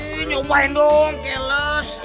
nih nyobain dong keles